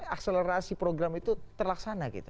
akselerasi program itu terlaksana gitu